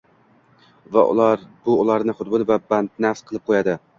va bu ularni xudbin va badnafs qilib qo‘yadi.